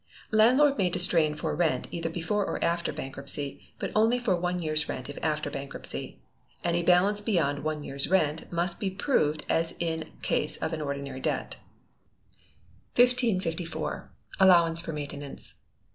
Landlord may distrain for rent either before or after bankruptcy, but only for one year's rent if after bankruptcy. Any balance beyond one year's rent must be proved as in case of an ordinary debt. 1554. Allowance for Maintenance.